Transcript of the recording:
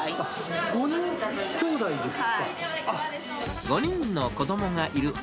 ５人きょうだいですか？